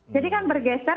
jadi kan bergeser